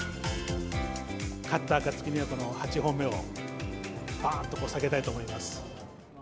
勝ったあかつきには、この８本目をばーんとさげたいと思います。